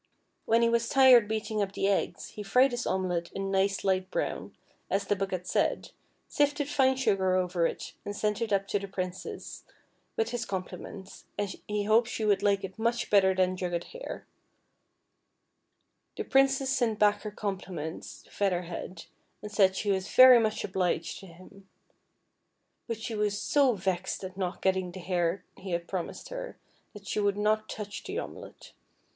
When he was tired beating up the eggs, he fried his omelet a nice light brown, as the book had said, sifted fine sugar over it, and sent it up to the Princess, with his compli ments, and he hoped she would like it much better than jugged hare. The Princess sent back her compliments 234 FEATHER HEAD. to Feather Head, and said she was very much obliged to him. But she was so vexed at not getting the hare he had promised her, that she would not touch the omelet.